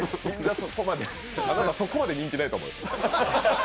あなた、そこまで人気ないかもよ。